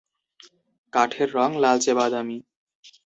কাঠের রং লালচে বাদামি।